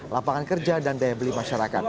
lapangan kerja dan daya beli masyarakat